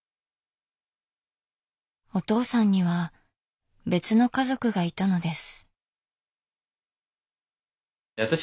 お父さんには別の家族がいたのです。